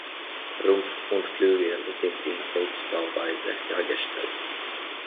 Rumpf und Flügel sind in Holzbauweise hergestellt.